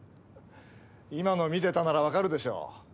今の見てたならわかるでしょう。